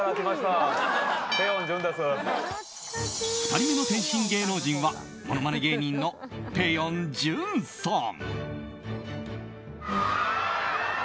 ２人目の転身芸能人はものまね芸人のぺよん潤さん。